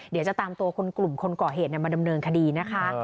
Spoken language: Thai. เดี๋ยวจะตามตัวคนกลุ่มคนก่อเหตุมาดำเนินคดีนะคะ